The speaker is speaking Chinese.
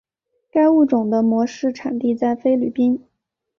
该物种的模式产地在菲律宾。